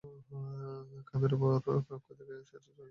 খামের উপরকার অক্ষর দেখায়াই সে আশ্চর্য হইয়া গেল।